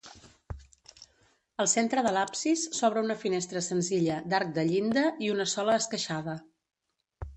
Al centre de l'absis s'obre una finestra senzilla d'arc de llinda i una sola esqueixada.